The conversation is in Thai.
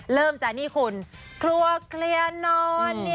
เริ่มจากนี่คุณครัวเคลียร์นอน